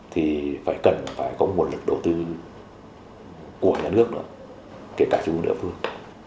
thì phải cần phải có nguồn lực đầu tư của nhà nước nữa kể cả chung với địa phương